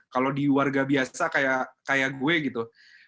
kalau di warga biasa kayak gue gitu